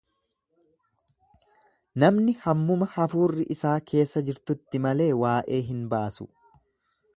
Namni hammuma hafuurri isaa keessa jirtutti malee waa'ee hin baasu.